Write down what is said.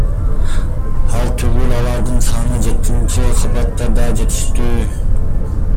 Ал түгүл алардын саны жетинчи кабатта да жетиштүү.